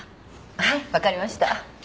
はい分かりました。